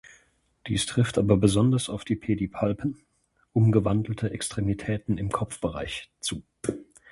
Dies trifft aber besonders auf die Pedipalpen (umgewandelte Extremitäten im Kopfbereich) zu.